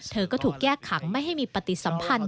เธอก็ถูกแก้ขังไม่ให้มีปฏิสัมพันธ์